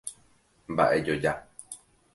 Mba'e joja.